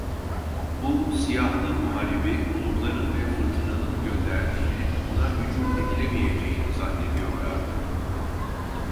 Bu siyahlı muharibi bulutların ve fırtınanın gönderdiğini, ona hücum edilemeyeceğini zannediyorlardı.